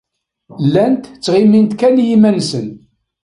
Llant ttɣimint kan i yiman-nsen.